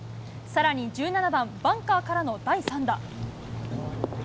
さらに１７番、バンカーからの第３打。